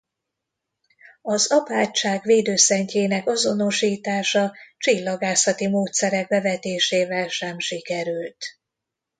Az apátság védőszentjének azonosítása csillagászati módszerek bevetésével sem sikerült.